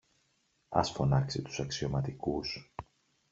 Ας φωνάξει τους αξιωματικούς